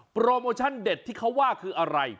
โปรโมชั่นเด็ดที่เขาว่าคืออะไร